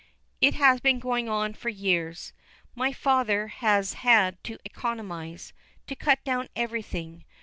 "It has been going on for years. My father has had to economize, to cut down everything.